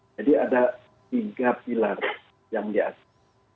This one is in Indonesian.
jadi ada tiga pilar yang diatur